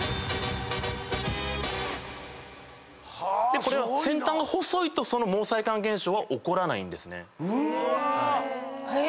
でこれは先端が細いと毛細管現象は起こらないんですね。